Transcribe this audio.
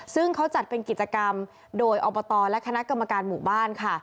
ซึ่งเขาจัดเป็นกิจกรรมโดยอบตและคณะกรรมการหมู่บ้านค่ะ